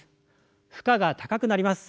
負荷が高くなります。